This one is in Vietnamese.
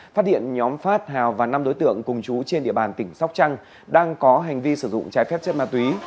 phát hiện nhóm phát hào và năm đối tượng cùng chú trên địa bàn tỉnh sóc trăng đang có hành vi sử dụng trái phép chất ma túy